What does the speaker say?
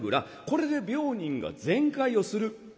これで病人が全快をする。